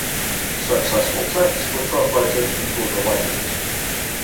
Successful texts were translated into other languages.